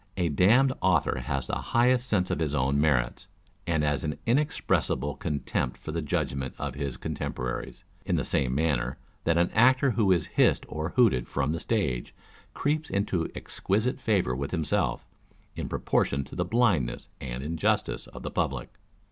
A damned author has the highest sense of his own merits, and an inexpressible con tempt for the judgment of his contemporaries ; in the same manner that an actor who is hissed or hooted from the stage, creeps into exquisite favour with himself, in proportion to the blindness and injustice of the public.